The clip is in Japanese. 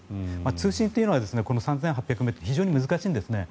通信というのは３８００ｍでは非常に難しいんですね。